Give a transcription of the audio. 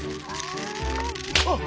あっ！